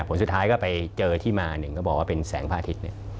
ผลสุดท้ายก็ไปเจอที่มาหนึ่งก็บอกว่าเป็นแสงพระอาทิตย์